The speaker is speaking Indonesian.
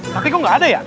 tapi kok gak ada ya